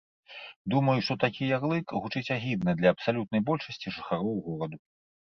Думаю, што такі ярлык гучыць агідна для абсалютнай большасці жыхароў гораду.